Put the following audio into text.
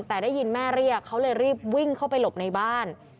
แต่ได้ยินแม่เรียกเขาเลยรีบวิ่งเข้าไปหลบในบ้าน